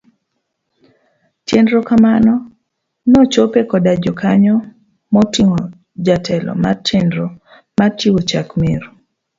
Chenro makamano nochope koda jokanyo moting'o jatelo mar chnero mar chiwo chak Meru.